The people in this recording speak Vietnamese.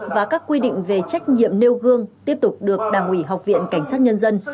và các quy định về trách nhiệm nêu gương tiếp tục được đảng ủy học viện cảnh sát nhân dân